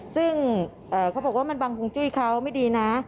ซึ่งเขาบอกว่ามันบังฮุงจุ้ยเขาไม่ดีนะ